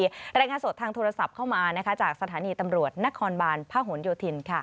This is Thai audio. และรายงานสดทางโทรศัพท์เข้ามานะคะจากสถานีตำรวจนครบานพหนโยธินค่ะ